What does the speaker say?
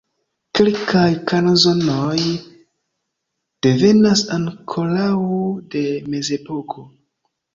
Kelkaj kanzonoj devenas ankoraŭ de mezepoko.